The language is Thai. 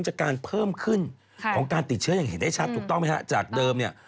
จากการเพิ่มขึ้นการติดเชื้ออย่างเห็นให้ชัดถูกต้องไหมคะ